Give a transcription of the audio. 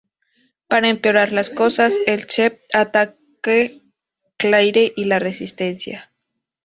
Para empeorar las cosas, el Ceph ataque Claire y la resistencia.